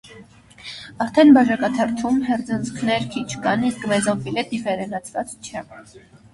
Արդեն բաժակաթերթերում հերձանցքներ քիչ կան, իսկ մեզոֆիլը դիֆերենցված չէ։